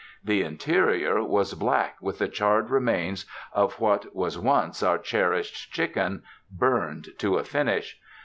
The interior was black with the charred remains of what was once our cherished chicken, burned to a finish.